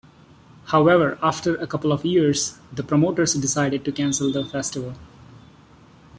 However, after a couple of years, the promoters decided to cancel the festival.